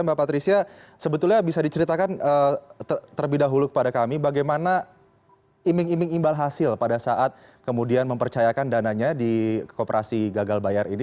mbak patricia sebetulnya bisa diceritakan terlebih dahulu kepada kami bagaimana iming iming imbal hasil pada saat kemudian mempercayakan dananya di kooperasi gagal bayar ini